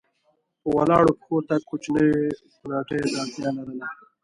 په ولاړو پښو تګ کوچنیو کوناټیو ته اړتیا لرله.